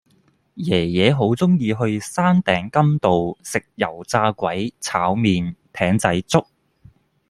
爺爺好鍾意去山頂甘道食油炸鬼炒麵艇仔粥